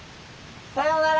さようなら！